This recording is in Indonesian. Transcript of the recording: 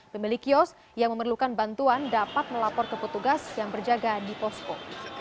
pemilik kios yang memerlukan bantuan dapat melapor ke petugas yang berjaga di posko